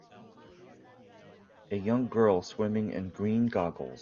A young girl swimming in green goggles